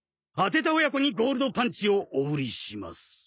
当てた親子にゴールドパンチをお売りします。